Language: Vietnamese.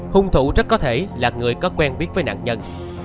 hung thủ rất có thể là người có quen biết với nạn nhân